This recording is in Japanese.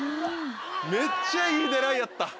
めっちゃいい狙いやった。